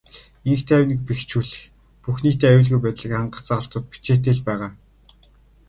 Энх тайвныг бэхжүүлэх, бүх нийтийн аюулгүй байдлыг хангах заалтууд бичээтэй л байгаа.